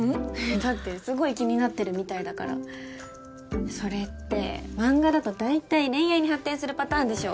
だってすごい気になってるみたいだからそれって漫画だと大体恋愛に発展するパターンでしょ